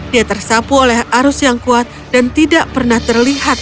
dia tersapu oleh arus yang kuat dan tidak pernah terlihat